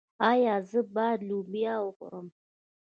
ایا زه باید لوبیا وخورم؟